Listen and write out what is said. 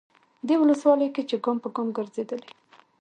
دې ولسوالۍ کې چې ګام به ګام ګرځېدلی،